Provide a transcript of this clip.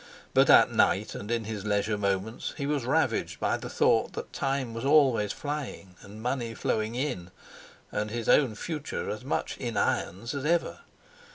But at night and in his leisure moments he was ravaged by the thought that time was always flying and money flowing in, and his own future as much "in irons" as ever.